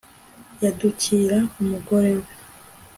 yadukira umugore we